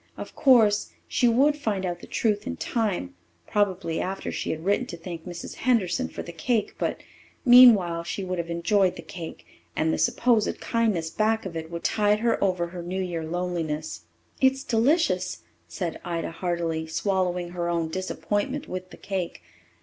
Of course, she would find out the truth in time probably after she had written to thank Mrs. Henderson for the cake; but meanwhile she would have enjoyed the cake, and the supposed kindness back of it would tide her over her New Year loneliness. "It's delicious," said Ida heartily, swallowing her own disappointment with the cake.